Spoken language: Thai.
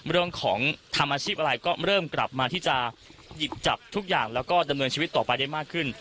เรื่องของทำอาชีพอะไรก็เริ่มกลับมาที่จะหยิบจับทุกอย่างแล้วก็ดำเนินชีวิตต่อไปได้มากขึ้น